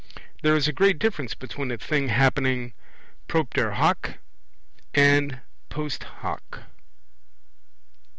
There is a great difference between a thing happening propter hoc and post hoc.